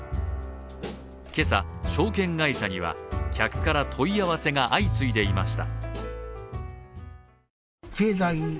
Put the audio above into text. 今朝、証券会社には客から問い合わせが相次いでいました。